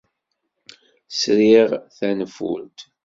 Sriɣ tanfult.